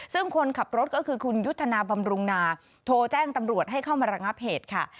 ซึ่งคนขับรถก็คือคุณยุทธนาบำรุงนาโทรแจ้งตำรวจให้เข้ามาระงับเหตุค่ะ